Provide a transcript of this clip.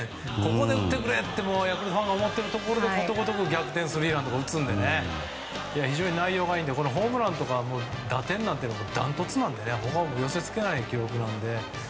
ここで打ってくれってヤクルトファンが思っているところでことごとく逆転スリーランとか打つので非常に内容がいいのでホームランとか打点なんてダントツなので他を寄せ付けない記録なので。